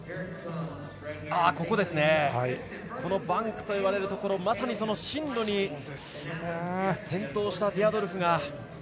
バンクといわれるところまさに、その進路に転倒したディアドルフが。